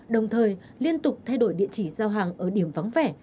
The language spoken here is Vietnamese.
đồng thời liên tục thay đổi địa chỉ giao hàng ở điểm vắng vẻ